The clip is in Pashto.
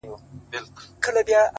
سل ځله یې زموږ پر کچکولونو زهر وشیندل!!